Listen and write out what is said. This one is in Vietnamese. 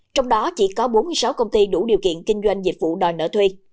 trong đó chỉ có bốn mươi sáu công ty đủ điều kiện kinh doanh dịch vụ đòi nợ thuê